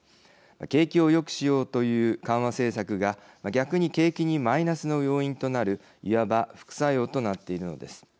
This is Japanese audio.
景気をよくしようという緩和政策が、逆に景気にマイナスの要因となる、いわば副作用となっているのです。